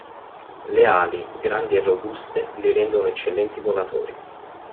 Le ali, grandi e robuste, li rendono eccellenti volatori.